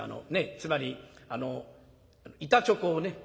つまりあの板チョコをね